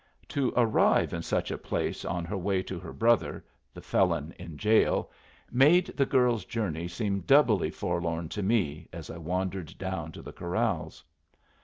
To arrive in such a place on her way to her brother, the felon in jail, made the girl's journey seem doubly forlorn to me as I wandered down to the corrals.